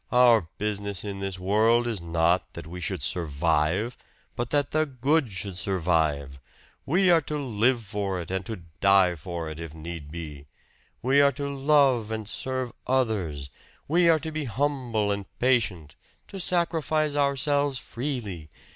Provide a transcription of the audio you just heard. "Our business in this world is not that we should survive, but that the good should survive. We are to live for it and to die for it, if need be. We are to love and serve others we are to be humble and patient to sacrifice ourselves freely.